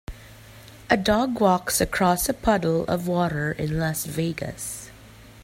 A dog walks across a puddle of water in Las Vegas.